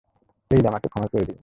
Please আমাকে ক্ষমা করে দিন।